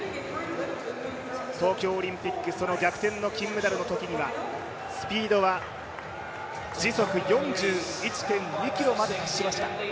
東京オリンピック逆転の金メダルのときにはスピードは時速４１．２キロまで達しました。